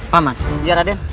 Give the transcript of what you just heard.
pak mat biar aden